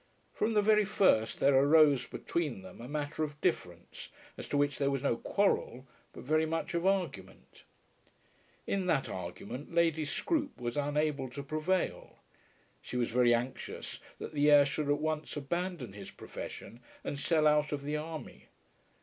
From the very first there arose between them a matter of difference, as to which there was no quarrel, but very much of argument. In that argument Lady Scroope was unable to prevail. She was very anxious that the heir should at once abandon his profession and sell out of the army.